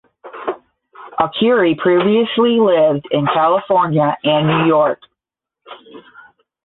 Arcuri previously lived in California and New York.